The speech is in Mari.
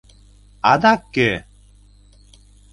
Адак кӧ?